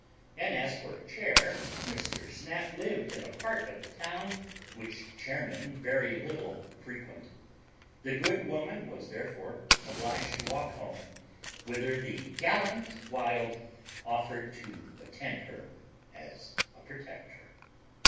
And as for a chair, Mr. Snap lived in a part of the town which chairmen very little frequent. The good woman was therefore obliged to walk home, whither the gallant Wild offered to attend her as a protector.